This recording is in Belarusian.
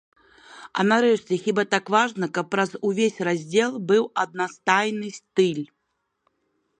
А, нарэшце, хіба так важна, каб праз увесь раздзел быў аднастайны стыль.